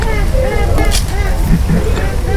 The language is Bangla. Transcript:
বৌ আজ কিছু খায়নি ছোটবাবু।